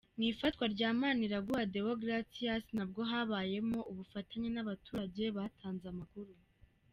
Mu ifatwa rya Maniraguha Deogratias nabwo habayemo ubufatanye n’abaturage batanze amakuru.